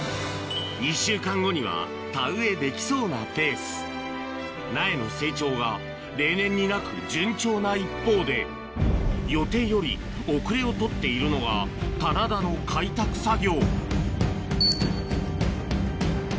２週間後には田植えできそうなペース苗の成長が例年になく順調な一方で予定より後れを取っているのが棚田の開拓作業